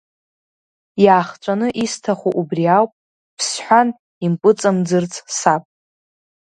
Иаахҵәаны исҭаху убри ауп, Ԥсҳәан импыҵамӡырц саб.